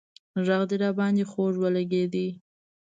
غږ دې راباندې خوږ ولگېد